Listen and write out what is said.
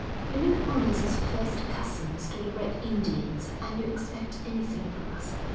You look upon us as first cousins to the red Indians, and you expect anything from us.